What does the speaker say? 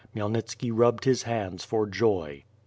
Khmyelnitski rubbed his hands for joy.